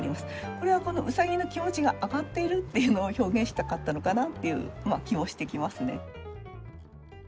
これはこのうさぎの気持ちが上がっているっていうのを表現したかったのかなっていう気もしてきますね。